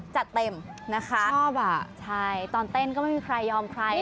จัดเต็มนะคะชอบอ่ะใช่ตอนเต้นก็ไม่มีใครยอมใคร